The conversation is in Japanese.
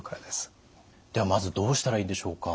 ではまずどうしたらいいでしょうか。